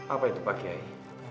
apa itu pak kiai